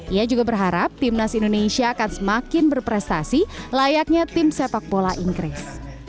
ia juga berharap timnas indonesia akan semakin berprestasi layaknya tim sepak bola inggris